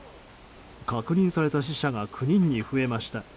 確認された死者が９人に増えました。